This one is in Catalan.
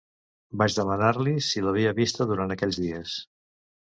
Vaig demanar-li si l'havia vista durant aquells dies.